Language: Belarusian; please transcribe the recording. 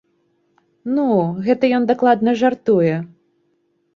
Ну, гэта ён дакладна жартуе!